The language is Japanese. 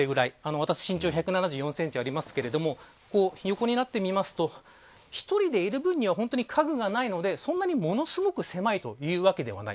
私は身長１７４センチありますが横になってみると１人でいる分には家具がないのでそんなに、ものすごく狭いというわけではない。